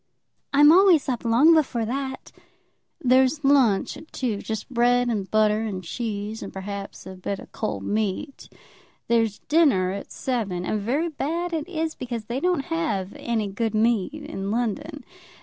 "I'm always up long before that." "There's lunch at two, just bread and butter and cheese, and perhaps a bit of cold meat. There's dinner at seven; and very bad it is, because they don't have any good meat in London.